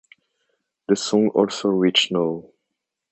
The song also reached no.